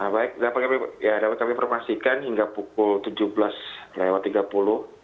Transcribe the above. baik dapat kami perhatikan hingga pukul tujuh belas tiga puluh